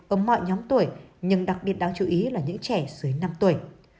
ở mọi nhóm tuổi nhưng đặc biệt đáng chú ý là những trẻ dưới năm tuổi